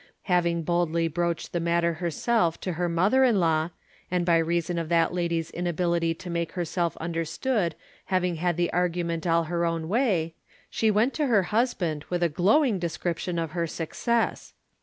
Having boldly broached the mat ter herself to her mother in law, and by reason of that lady's inability to make herself understood having had the argument all her own way, she went to her husband with a glowing description of her success.